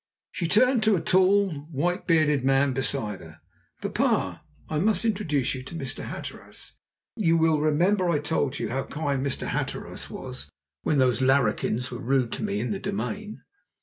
She turned to a tall, white bearded man beside her. "Papa, I must introduce you to Mr. Hatteras. You will remember I told you how kind Mr. Hatteras was when those larrikins were rude to me in the Domain."